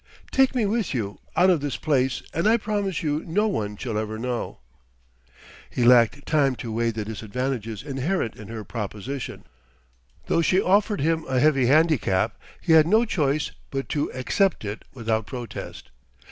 Take me with you out of this place and I promise you no one shall ever know " He lacked time to weigh the disadvantages inherent in her proposition; though she offered him a heavy handicap, he had no choice but to accept it without protest.